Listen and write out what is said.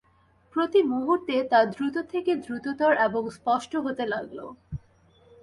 প্রতি মুহূর্তে তা দ্রুত থেকে দ্রুততর এবং স্পষ্ট হতে লাগল।